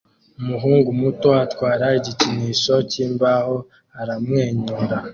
Umuhungu muto atwara igikinisho cyimbaho aramwenyura